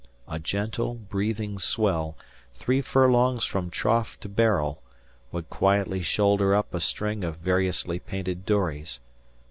A gentle, breathing swell, three furlongs from trough to barrel, would quietly shoulder up a string of variously painted dories.